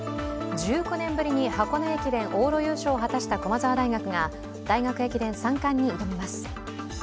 １９年ぶりに箱根駅伝往路優勝を果たした駒澤大学が大学駅伝３冠に挑みます。